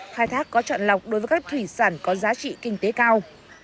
khai thác có trọn lọc đối với các thủy sản có giá trị kinh tế cao